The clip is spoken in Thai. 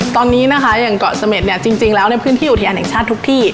ตอนนี้นะคะอย่างเกาะเสม็ดเนี่ยจริงแล้วในพื้นที่อุทยานแห่งชาติทุกที่